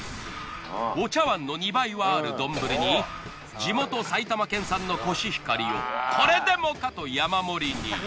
お茶碗の２倍はある丼に地元埼玉県産のこしひかりをこれでもかと山盛りに。